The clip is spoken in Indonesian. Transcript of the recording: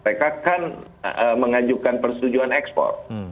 mereka kan mengajukan persetujuan ekspor